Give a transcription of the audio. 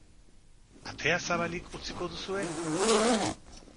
Atea zabalik utziko duzue?